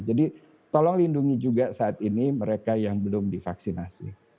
jadi tolong lindungi juga saat ini mereka yang belum divaksinasi